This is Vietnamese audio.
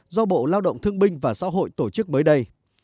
do bộ lao động thương binh và xã hội tổ chức mới đây